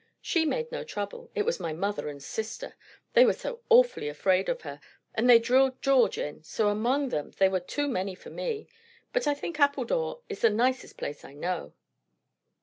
"She made no trouble. It was my mother and sister. They were so awfully afraid of her. And they drilled George in; so among them they were too many for me. But I think Appledore is the nicest place I know."